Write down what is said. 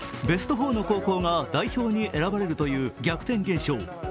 ベスト４の高校が代表に選ばれるという逆転現象。